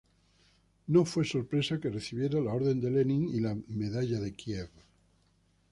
No fue sorpresa que recibiera la Orden de Lenin y la Medalla de Kiev.